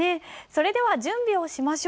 それでは準備をしましょう。